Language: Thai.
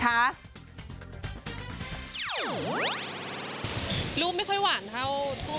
รูปก็ไม่ค่อยหวานเท่า